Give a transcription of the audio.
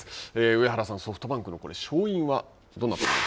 上原さん、ソフトバンクの勝因はどんなところに？